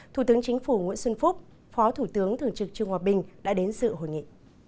thủ tướng chính phủ nguyễn xuân phúc phó thủ tướng thường trực trương hòa bình đã đến sự hội nghị